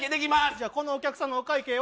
じゃあこのお客さんのお会計は。